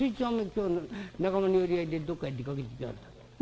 今日仲間の寄り合いでどっかへ出かけていきやがったんだ。